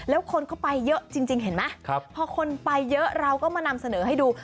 แล้วคนก็ไปเยอะจริงเห็นไหมพอคนไปเยอะเราก็มานำเสนอให้ดู